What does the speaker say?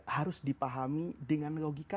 harus dipahami dengan logika